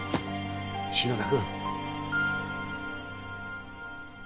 篠田君。